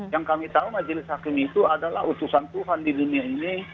yang kami tahu majelis hakim itu adalah utusan tuhan di dunia ini